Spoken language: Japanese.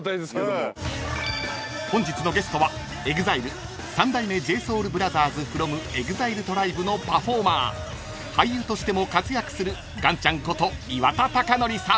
［本日のゲストはＥＸＩＬＥ三代目ＪＳＯＵＬＢＲＯＴＨＥＲＳｆｒｏｍＥＸＩＬＥＴＲＩＢＥのパフォーマー俳優としても活躍する「岩ちゃん」こと岩田剛典さん］